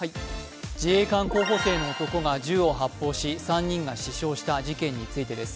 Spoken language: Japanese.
自衛官候補生の男が銃を発砲し、３人が死傷した事件についてです。